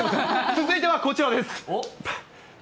続いてはこちらです。